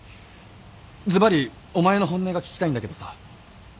ずばりお前の本音が聞きたいんだけどさ